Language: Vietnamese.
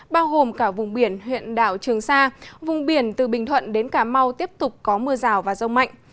bao gồm cả vùng biển huyện đảo trường sa vùng biển từ bình thuận đến cà mau tiếp tục có mưa rào và rông mạnh